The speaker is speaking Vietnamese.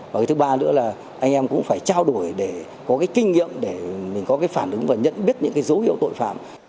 và cái thứ ba nữa là anh em cũng phải trao đổi để có cái kinh nghiệm để mình có cái phản ứng và nhận biết những cái dấu hiệu tội phạm